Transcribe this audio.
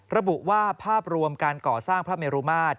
ระบุว่าภาพรวมการก่อสร้างพระเมรุมาตร